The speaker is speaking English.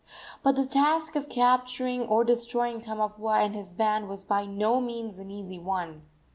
But the task of capturing or destroying Kamapuaa and his band was by no means an easy one.